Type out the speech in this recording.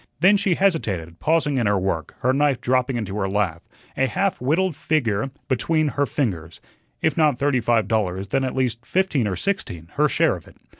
Then she hesitated, pausing in her work, her knife dropping into her lap, a half whittled figure between her fingers. If not thirty five dollars, then at least fifteen or sixteen, her share of it.